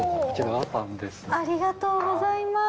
ありがとうございます。